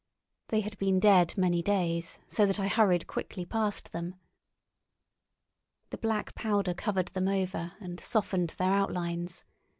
They had been dead many days, so that I hurried quickly past them. The black powder covered them over, and softened their outlines.